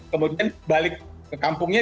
kemudian balik ke kampungnya